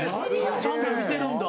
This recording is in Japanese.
ちゃんと見てるんだ。